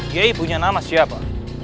yei punya nama siapa